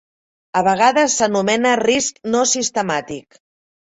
A vegades s'anomena "risc no sistemàtic".